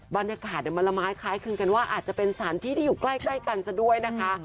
บรรยากาศมันละไม้คล้ายคลึงกันว่าอาจจะเป็นสถานที่ที่อยู่ใกล้กันซะด้วยนะคะ